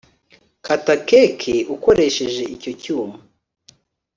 kata cake ukoresheje icyo cyuma